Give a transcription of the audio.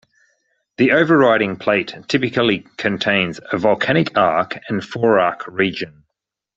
The overriding plate typically contains a volcanic arc and forearc region.